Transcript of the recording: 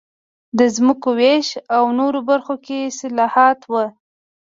د ځمکو وېش او نورو برخو کې اصلاحات و